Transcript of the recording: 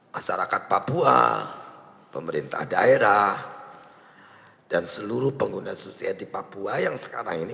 masyarakat papua pemerintah daerah dan seluruh pengguna susi air di papua yang sekarang ini